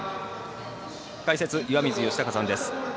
解説、岩水嘉孝さんです。